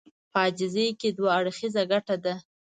په عاجزي کې دوه اړخيزه ګټه ده.